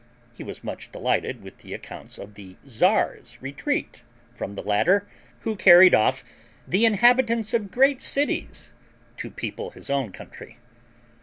He was much delighted with the accounts of the Czar's retreat from the latter, who carried off the inhabitants of great cities to people his own country.